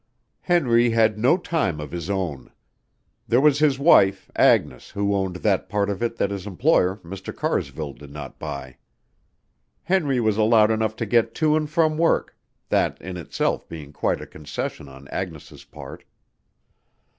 Henry had no time of his own. There was his wife, Agnes who owned that part of it that his employer, Mr. Carsville, did not buy. Henry was allowed enough to get to and from work that in itself being quite a concession on Agnes' part.